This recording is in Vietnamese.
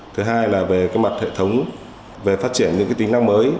thứ hai là về mặt hệ thống về phát triển những cái tính năng mới